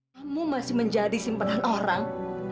kamu masih menjadi simpanan orang